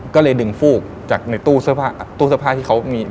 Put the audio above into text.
ก็เลยดึงฟูกจากในตู้เสื้อผ้าที่เขามี